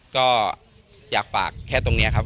ก็อยากฝากแค่ตรงนี้ครับ